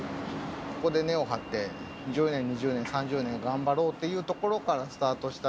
ここで根を張って、１０年、２０年、３０年、頑張ろうというところからスタートした。